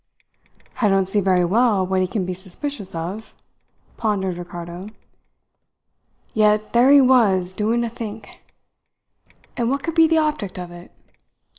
"I don't see very well what he can be suspicious of," pondered Ricardo. "Yet there he was doing a think. And what could be the object of it?